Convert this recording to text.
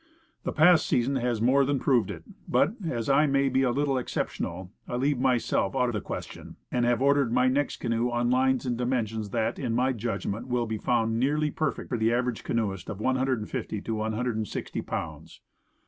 The past season has more than proved it; but, as I may be a little exceptional, I leave myself out of the question, and have ordered my next canoe on lines and dimensions that, in my judgment, will be found nearly perfect for the average canoeist of 150 to 160 pounds.